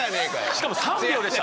しかも３秒でした。